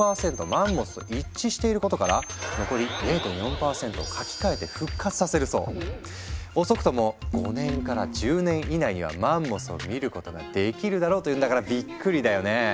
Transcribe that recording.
マンモスと一致していることから「遅くとも５年から１０年以内にはマンモスを見ることができるだろう」というんだからびっくりだよね！